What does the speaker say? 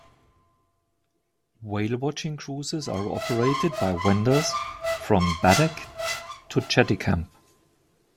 Whale-watching cruises are operated by vendors from Baddeck to Cheticamp.